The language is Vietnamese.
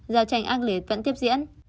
giao tranh ác liệt vẫn tiếp diễn